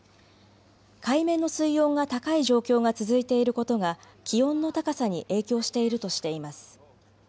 海面の水温が高い状況が続いていることが気温の高さに影響しているとしています。